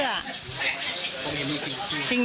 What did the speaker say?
เพราะมันนี้จริง